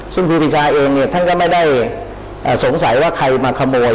ซึ่งครูปีชาเองเนี่ยท่านก็ไม่ได้สงสัยว่าใครมาขโมย